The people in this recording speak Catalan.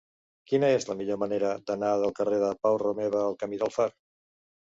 Quina és la millor manera d'anar del carrer de Pau Romeva al camí del Far?